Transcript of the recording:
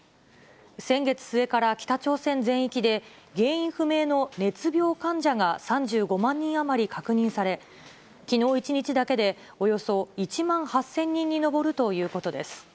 先月末から北朝鮮全域で、原因不明の熱病患者が３５万人余り確認され、きのう１日だけでおよそ１万８０００人に上るということです。